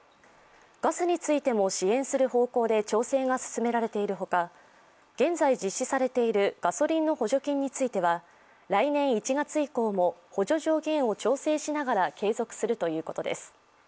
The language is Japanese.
ガスについても支援する方向て調整が進められているほか現在実施されているガソリンの補助金については、来年１月以降も補助上限を調整しながら継続するということです。